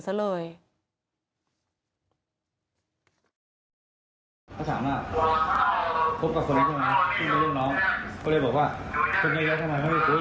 พระคุณที่อยู่ในห้องการรับผู้หญิง